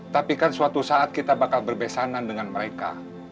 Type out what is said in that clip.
tapi kan suatu saat kita bakal berbesanan dengan mereka